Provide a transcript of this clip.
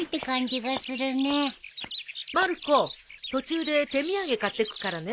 まる子途中で手土産買ってくからね。